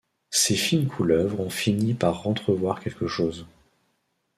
Ces fines couleuvres ont fini par entrevoir quelque chose.